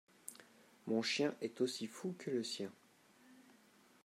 Mon chien est aussi fou que le sien.